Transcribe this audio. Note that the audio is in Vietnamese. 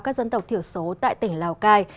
các dân tộc thiểu số tại tỉnh lào cai